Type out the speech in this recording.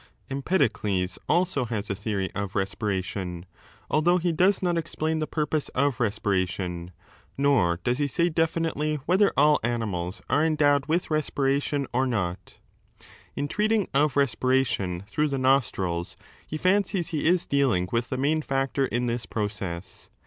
Empedoclss also has a theory of respiration, although he does not explain the purpose of respiration, nor does he say definitely whether all animals are endowed with respiration or not In treating of respiration through the nostrils, he fancies he is dealing with the main factor in this process.